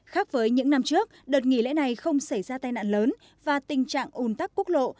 khác với những năm trước đợt nghỉ lễ này không xảy ra tai nạn lớn và tình trạng ùn tắc quốc lộ